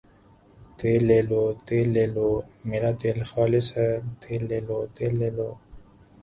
تیل لے لو ، تیل لے لو میرا تیل خالص ھے تیل لے لو تیل لے لو